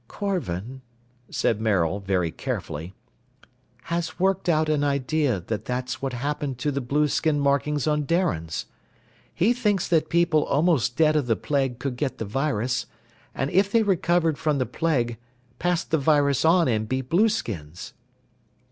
"Korvan," said Maril very carefully. "Has worked out an idea that that's what happens to the blueskin markings on Darians. He thinks that people almost dead of the plague could get the virus, and if they recovered from the plague pass the virus on and be blueskins."